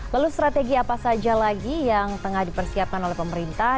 lalu strategi apa saja lagi yang tengah dipersiapkan oleh pemerintah